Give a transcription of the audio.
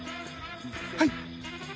はい。